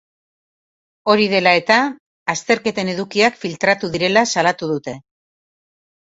Hori dela eta, azterketen edukiak filtratu direla salatu dute.